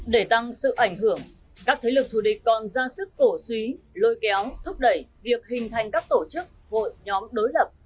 để tăng sự ảnh hưởng các thế lực thù địch còn ra sức cổ suý lôi kéo thúc đẩy việc hình thành các tổ chức hội nhóm đối lập